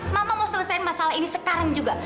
mama mau selesaikan masalah ini sekarang juga